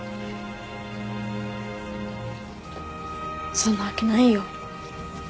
そんなわけないよ。